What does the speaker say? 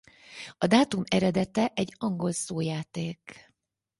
A dátum eredete egy angol szójáték.